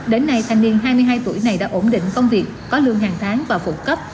đến nay thanh niên hai mươi hai tuổi này đã ổn định công việc có lương hàng tháng và phụ cấp